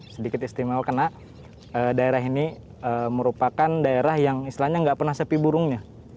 sedikit istimewa karena daerah ini merupakan daerah yang istilahnya nggak pernah sepi burungnya